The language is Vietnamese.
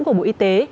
của bộ y tế